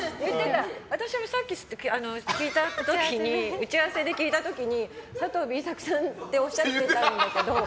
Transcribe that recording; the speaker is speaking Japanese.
私もさっき打ち合わせで聞いた時に佐藤Ｂ作さんっておっしゃってたんだけど。